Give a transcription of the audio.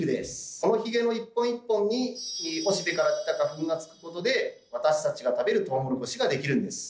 そのヒゲの一本一本におしべから来た花粉がつくことで私たちが食べるトウモロコシができるんです。